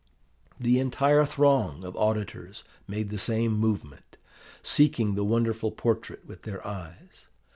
The entire throng of auditors made the same movement, seeking the wonderful portrait with their eyes.